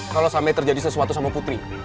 kalau sampai terjadi sesuatu sama putri